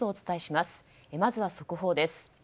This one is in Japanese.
まずは速報です。